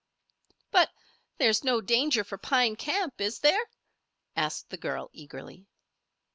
"But there's no danger for Pine Camp, is there?" asked the girl, eagerly.